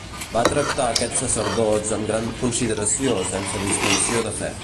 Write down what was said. Va tractar aquests sacerdots amb gran consideració sense distinció de fe.